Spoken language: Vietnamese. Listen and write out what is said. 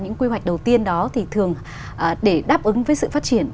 những quy hoạch đầu tiên đó thì thường để đáp ứng với sự phát triển